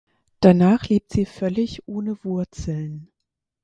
Danach lebt sie völlig ohne Wurzeln.